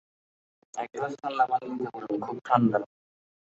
এক গ্লাস ঠাণ্ডা পানি দিতে বলুন, খুব ঠাণ্ডা।